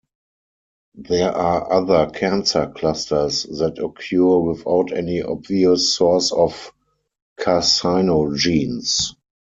There are other cancer clusters that occur without any obvious source of carcinogens.